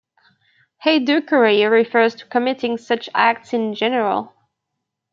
"Haydukery" refers to committing such acts in general.